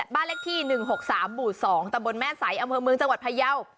บ้านเลขที่๑๖๓หมู่๒ตะบนแม่ใสอำเภอเมืองจังหวัดพยาว